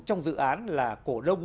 trong dự án là cổ đông